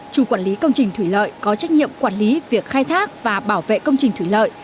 chủ quản lý công trình thủy lợi có trách nhiệm quản lý việc khai thác và bảo vệ công trình thủy lợi